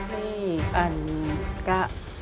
ที่อันกะ